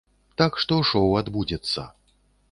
Так што шоў адбудзецца.